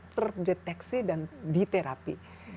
terdeteksi dan diterapi